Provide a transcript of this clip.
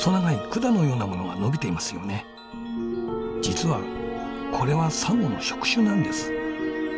実はこれはサンゴの触手なんです。